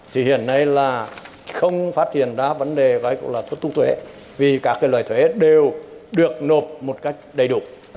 thì hiện nay là không phát triển ra vấn đề gọi là thuế vì cả cái loài thuế đều được nộp một cách đầy đủ